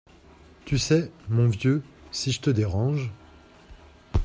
Tu sais, mon vieux, si je te dérange…